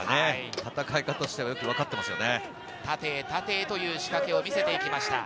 戦い方としてはよくわかってますね。